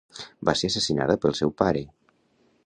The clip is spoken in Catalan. Va ser assassinada pel seu pare.